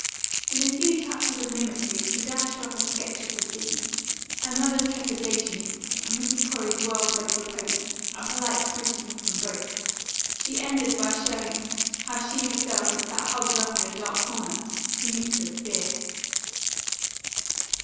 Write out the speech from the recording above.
In a few touches of mimicry she dashed off a sketch of the scene: her mother's trepidation, and Mrs. Corey's well bred repose and polite scrutiny of them both. She ended by showing how she herself had sat huddled up in a dark corner, mute with fear.